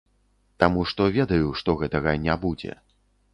Таму што ведаю, што гэтага не будзе.